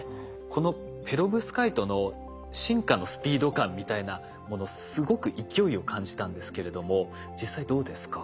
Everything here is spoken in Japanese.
このペロブスカイトの進化のスピード感みたいなものすごく勢いを感じたんですけれども実際どうですか？